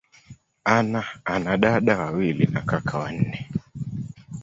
Ana dada wawili na kaka wanne.